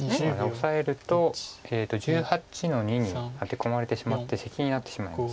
オサえると１８の二にアテ込まれてしまってセキになってしまいます。